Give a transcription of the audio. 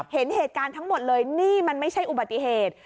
เห็นเหตุการณ์ทั้งหมดเลยนี่มันไม่ใช่อุบัติเหตุ